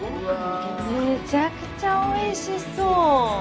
めちゃくちゃおいしそう。